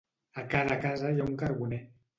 A cada casa hi ha un carboner.